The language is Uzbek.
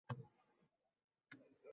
Bir kuni chol kampiriga qarab: